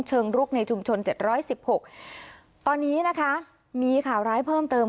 เชิงรุกในชุมชนเจ็ดร้อยสิบหกตอนนี้นะคะมีข่าวร้ายเพิ่มเติม